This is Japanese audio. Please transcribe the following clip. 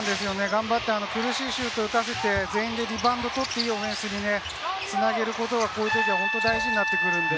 苦しいシュートを打たせて、全員でリバウンドを取ってオフェンスにね、繋げることが、こういうときは本当に大事になってくるので。